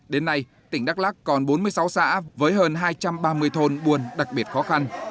đến nay tỉnh đắk lắc còn bốn mươi sáu xã với hơn hai trăm ba mươi thôn buôn đặc biệt khó khăn